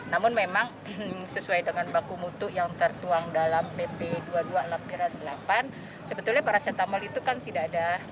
namun memang sesuai dengan baku mutu yang tertuang dalam pp dua ribu dua puluh delapan sebetulnya paracetamol itu kan tidak ada